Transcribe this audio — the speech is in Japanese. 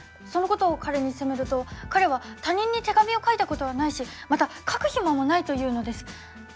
そのことを彼に責めると彼は他人に手紙を書いたことはないしまた書く暇もないと言うのです。